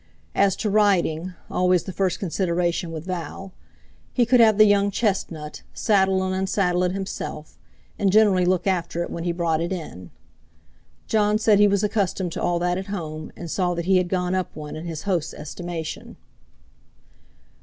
As to riding (always the first consideration with Val) he could have the young chestnut, saddle and unsaddle it himself, and generally look after it when he brought it in. Jon said he was accustomed to all that at home, and saw that he had gone up one in his host's estimation.